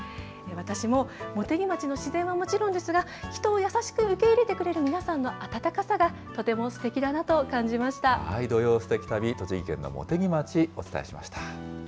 私も茂木町の自然はもちろんですが、人を優しく受け入れてくれる皆さんの温かさがとてもすてきだ土曜すてき旅、栃木県の茂木町、お伝えしました。